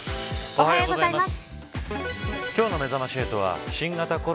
おはようございます。